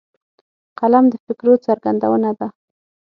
قلم د فکرو څرګندونه ده